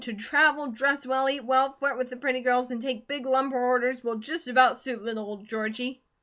To travel, dress well, eat well, flirt with the pretty girls, and take big lumber orders will just about suit little old Georgie."